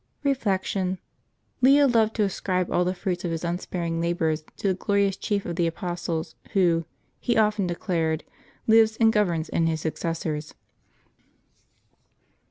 Reflection. — Leo loved to ascribe all the fruits of his unsparing labors to the glorious chief of the apostles, who, he often declared, lives and governs in his successors.